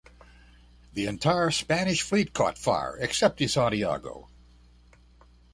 The entire Spanish fleet caught fire, except the "Santiago".